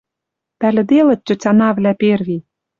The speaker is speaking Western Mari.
Пӓлӹделыт тьотянавлӓ перви